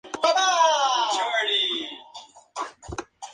Concedió Henao a Juan y Flandes a Guillermo.